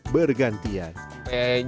tapi jamur yang tumbuh bergantian